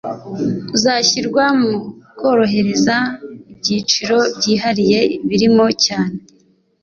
uzashyirwa mu korohereza ibyiciro byihariye birimo cyane